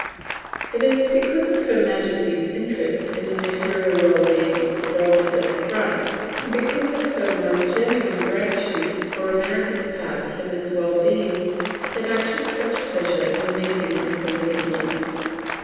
It is because of Her Majesty's interest in the material well being of the soldiers at the front, and because of her most genuine gratitude for America's part in this well being, that I took such pleasure in meeting the Queen of England.